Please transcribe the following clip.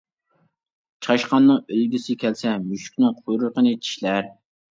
چاشقاننىڭ ئۆلگۈسى كەلسە، مۈشۈكنىڭ قۇيرۇقىنى چىشلەر.